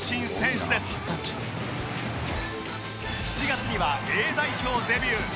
７月には Ａ 代表デビュー